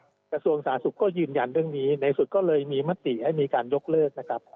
กระทรวงสาธารณสุขก็ยืนยันเรื่องนี้ในสุดก็เลยมีมติให้มีการยกเลิกนะครับ